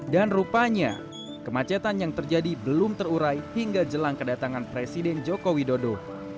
dan rupanya kemacetan yang terjadi belum terurai hingga jelang kedatangan presiden joko widodo